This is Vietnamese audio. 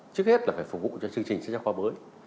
trước hết là phải phục vụ cho chương trình sách giáo khoa mới